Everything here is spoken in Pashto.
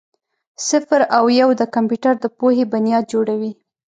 صفر او یو د کمپیوټر د پوهې بنیاد جوړوي.